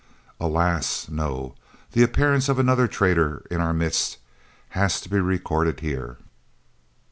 Alas, no! the appearance of another traitor in our midst has to be recorded here.